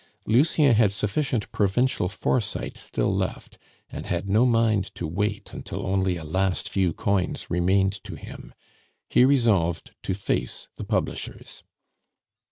Lucien had sufficient provincial foresight still left, and had no mind to wait until only a last few coins remained to him. He resolved to face the publishers.